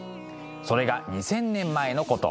それが２，０００年前のこと。